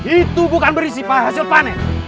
itu bukan berisi hasil panen